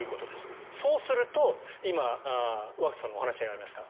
そうすると、今若狭さんのお話にもありました